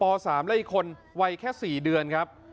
๓และอีกคนวัยแค่๔เดือนครับ